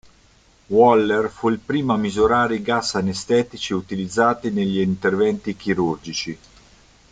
Waller fu il primo a misurare i gas anestetici utilizzati negli interventi chirurgici.